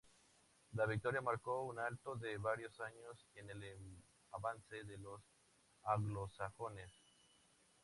La victoria marcó un alto de varios años en el avance de los anglosajones.